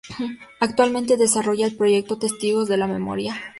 Actualmente desarrolla el proyecto "Testigos de la Memoria.